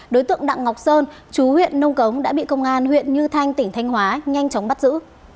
đối tượng đặng ngọc sơn chú huyện nông cống đã bị công an huyện như thanh tỉnh thanh hóa nhanh chóng bắt giữ